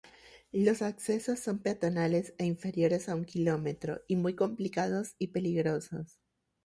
Los accesos son peatonales e inferiores a un km y muy complicados y peligrosos.